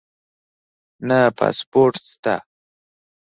نه پاسپورټ شته